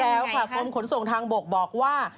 แล้วค่ะกรมขนส่งทางบกบอกว่า